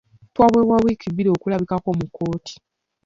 Twaweebwa wiiki bbiri okulabikako mu kkooti.